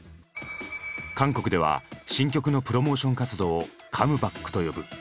韓国では新曲のプロモーション活動を「カムバック」と呼ぶ。